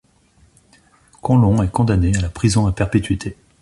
Conlon est condamné à la prison à perpétuité.